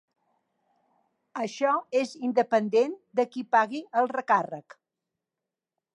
Això és independent de qui pagui el recàrrec.